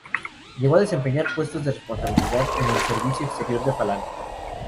Llegó a desempeñar puestos de responsabilidad en el Servicio Exterior de Falange.